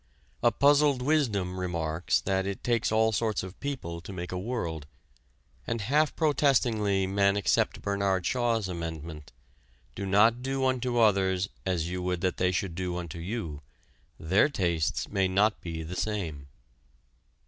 A puzzled wisdom remarks that "it takes all sorts of people to make a world," and half protestingly men accept Bernard Shaw's amendment, "Do not do unto others as you would that they should do unto you. Their tastes may not be the same."